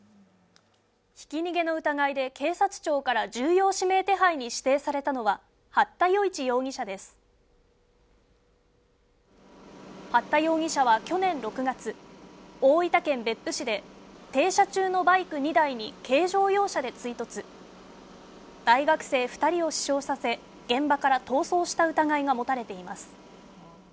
ひき逃げの疑いで警察庁から重要指名手配に指定されたのは八田與一容疑者です八田容疑者は去年６月大分県別府市で停車中のバイク２台に軽乗用車で追突大学生二人を死傷させ現場から逃走した疑いが持たれています